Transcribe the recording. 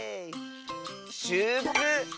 「しゅーく」！